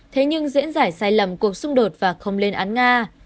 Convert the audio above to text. thế nhưng diễn giải sai lầm cuộc xung đột và không lên án nga